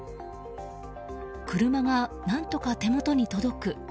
車が何とか手元に届く。